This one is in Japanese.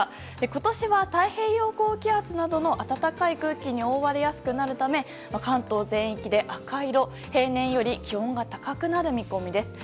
今年は太平洋高気圧などの暖かい空気に覆われやすくなるため関東全域で赤色平年より気温が高くなる見込みです。